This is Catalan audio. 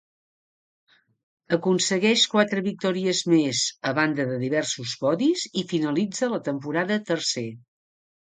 Aconsegueix quatre victòries més, a banda de diversos podis i finalitza la temporada tercer.